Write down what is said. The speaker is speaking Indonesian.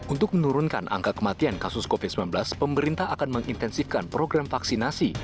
untuk menurunkan angka kematian kasus covid sembilan belas pemerintah akan mengintensifkan program vaksinasi